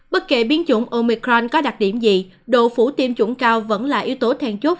bất kỳ biến chủng omicron có đặc điểm gì độ phủ tiêm chủng cao vẫn là yếu tố thèn chốt